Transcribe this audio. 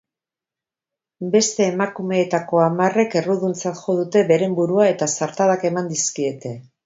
Beste emakumeetako hamarrek erruduntzat jo dute beren burua eta zartadak eman dizkiete.